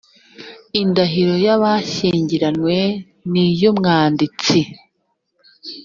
indahiro y abashyingiranywe n iy umwanditsi